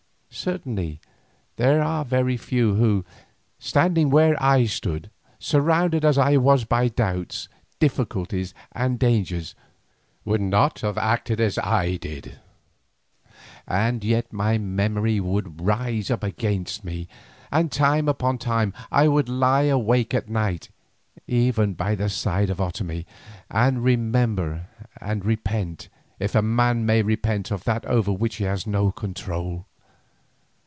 Certainly there are very few who, standing where I stood, surrounded as I was by doubts, difficulties, and dangers, would not have acted as I did. And yet memory would rise up against me, and time upon time I would lie awake at night, even by the side of Otomie, and remember and repent, if a man may repent of that over which he has no control.